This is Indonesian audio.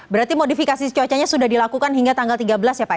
berarti modifikasi cuacanya sudah dilakukan hingga tanggal tiga belas ya pak ya